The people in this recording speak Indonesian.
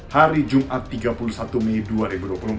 hari jumat tiga puluh satu mei dua ribu dua puluh empat